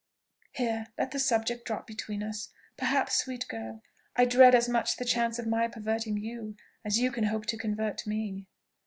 Here let the subject drop between us. Perhaps, sweet girl! I dread as much the chance of my perverting you, as you can hope to convert me."